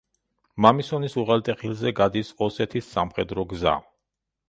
მამისონის უღელტეხილზე გადის ოსეთის სამხედრო გზა.